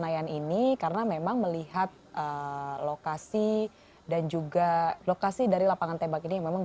ya benar sekali saat ini sedang